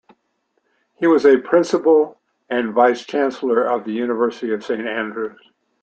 He was a Principal and Vice-Chancellor of the University of Saint Andrews.